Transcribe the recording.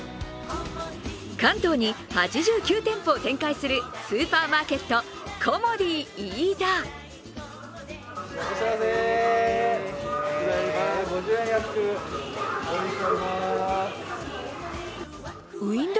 関東に８９店舗展開するスーパーマーケット、コモディイイダ。